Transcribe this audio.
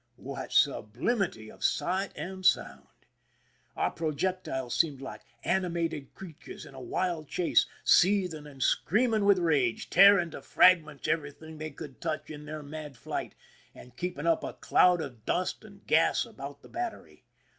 What sublimity of sight and sound ! Our pro jectiles seemed like animated creatures in a wild chase, seething and screaming with rage, tearing to fragments everything they could touch in their mad flight, and keeping up a cloud of dust and gas about the battery.